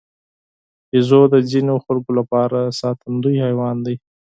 بیزو د ځینو خلکو لپاره ساتندوی حیوان دی.